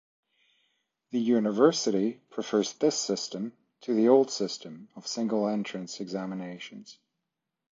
The university prefers this system to the old system of single entrance examinations.